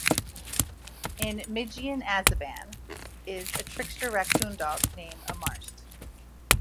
In Migian, Azeban is a trickster racoon dog named Amarst.